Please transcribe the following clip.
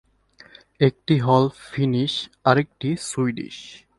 একটি হল ফিনিশ, আরেকটি সুইডিশ।